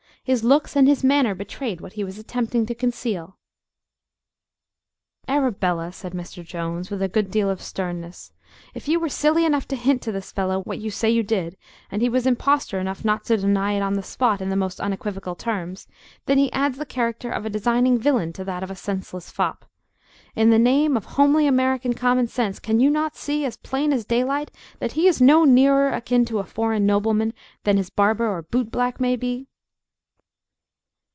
His looks and his manner betrayed what he was attempting to conceal." "Arabella!" said Mr. Jones, with a good deal of sternness, "if you were silly enough to hint to this fellow what you say you did, and he was impostor enough not to deny it on the spot in the most unequivocal terms, then he adds the character of a designing villain to that of a senseless fop. In the name of homely American common sense, can you not see, as plain as daylight, that he is no nearer akin to a foreign nobleman than his barber or boot black may be?"